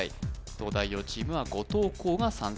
東大王チームは後藤弘が参戦